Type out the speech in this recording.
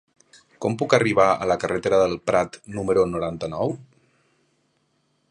Com puc arribar a la carretera del Prat número noranta-nou?